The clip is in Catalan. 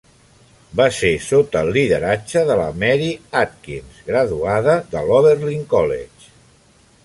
Va ser sota el lideratge de la Mary Atkins, graduada de l'Oberlin College.